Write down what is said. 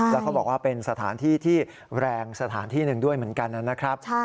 แล้วเขาบอกว่าเป็นสถานที่ที่แรงสถานที่หนึ่งด้วยเหมือนกันนะครับ